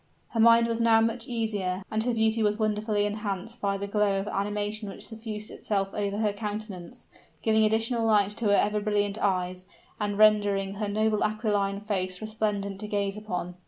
Her mind was now much easier, and her beauty was wonderfully enhanced by the glow of animation which suffused itself over her countenance, giving additional light to her ever brilliant eyes, and rendering her noble aquiline face resplendent to gaze upon.